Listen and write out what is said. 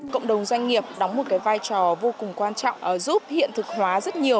cộng đồng doanh nghiệp đóng một vai trò vô cùng quan trọng giúp hiện thực hóa rất nhiều